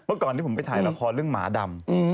ก่อนที่ผมไปถ่ายละครเรื่องหมาดำ